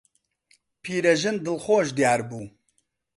پیرەژن دڵخۆش دیار بوو.